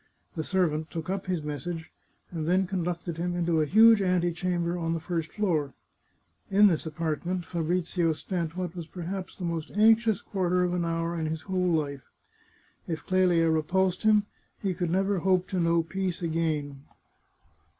The servant took up his message, and then conducted him into a huge antechamber on the first floor. In this apartment Fabrizio spent what was perhaps the most anxious quarter of an hour in his whole life. If Clelia repulsed him he could never hope to know peace again.